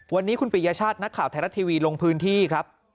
วันนี้คุณปิยชาตินักข่าวไทยรัฐทีวีลงพื้นที่ครับ